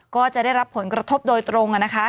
ก็จะได้รับผลกระทบโดยตรงนะคะ